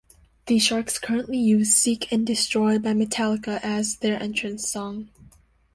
The Sharks currently use "Seek and Destroy" by Metallica as their entrance song.